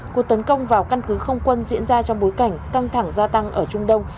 cuộc tấn công vào căn cứ không quân diễn ra trong bối cảnh căng thẳng gia tăng ở trung đông